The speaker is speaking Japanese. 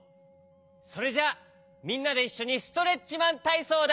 それじゃみんなでいっしょにストレッチマンたいそうだ。